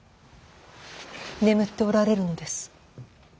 眠っておられるのです。